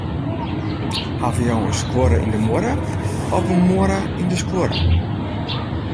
Hawwe jo in skuorre yn de muorre, of in muorre yn de skuorre?